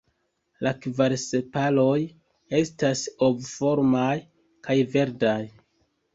La kvar sepaloj estas ovformaj kaj verdaj.